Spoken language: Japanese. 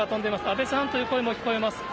安倍さんという声も聞こえます。